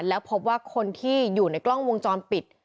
แล้วพบว่าคนที่อยู่ในกล้องวงจรปิด